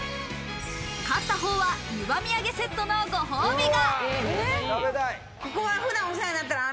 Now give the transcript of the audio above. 勝ったほうには、ゆば土産セットのご褒美が。